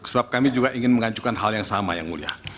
sebab kami juga ingin mengajukan hal yang sama yang mulia